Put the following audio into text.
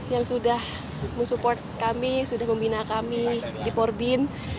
yang sudah mensupport kami sudah membina kami di porbin